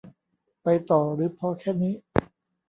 ไปต่อหรือพอแค่นี้